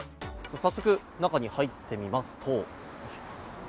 早速、中に入ってみますと。